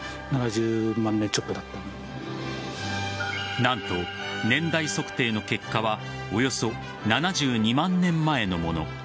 何と、年代測定の結果はおよそ７２万年前のもの。